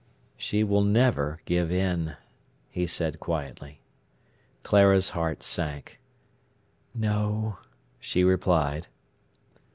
"She will never give in," he said quietly. Clara's heart sank. "No," she replied.